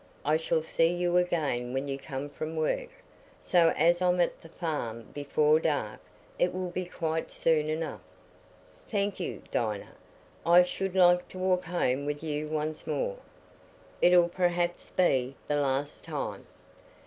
I shall see you again when you come from work. So as I'm at the farm before dark, it will be quite soon enough." "Thank you, Dinah; I should like to walk home with you once more. It'll perhaps be the last time."